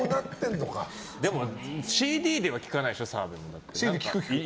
でも、ＣＤでは聴かないでしょ、澤部も。